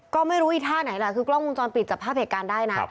ก็ไม่รู้อีท่าไหนล่ะคือกล้องวงจรปิดจับภาพเหตุการณ์ได้นะ